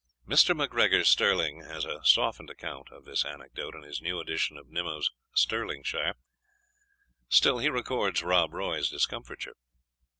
Mr. MacGregor Stirling has a softened account of this anecdote in his new edition of Nimmo's Stirlingshire; still he records Rob Roy's discomfiture.